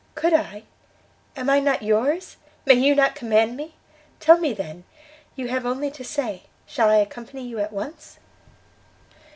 "Could I? am I not yours? may you not command me? tell me, then, you have only to say, shall I accompany you at once?"